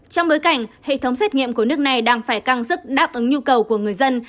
trong bối cảnh hệ thống xét nghiệm của nước này đang phải căng sức đáp ứng nhu cầu của người dân